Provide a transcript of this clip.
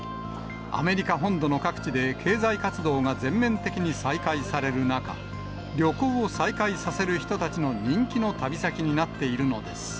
アメリカ本土の各地で経済活動が全面的に再開される中、旅行を再開させる人たちの人気の旅先になっているのです。